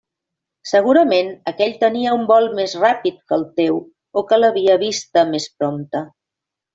Segurament aquell tenia un vol més ràpid que el teu o que l'havia vista més prompte.